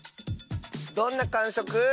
どんなかんしょく？